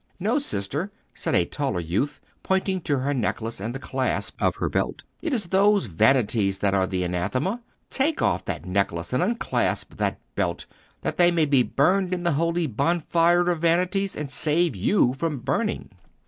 "No, sister," said a taller youth, pointing to her necklace and the clasp of her belt, "it is those vanities that are the Anathema. Take off that necklace and unclasp that belt, that they may be burned in the holy Bonfire of Vanities, and save you from burning."